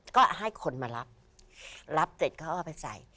ก็ให้คนมารับรับเสร็จเขาเอาไปใส่